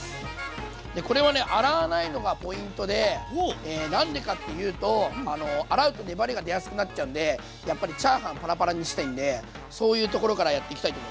これをね洗わないのがポイントで何でかっていうと洗うと粘りが出やすくなっちゃうんでやっぱりチャーハンパラパラにしたいんでそういうところからやっていきたいと思います。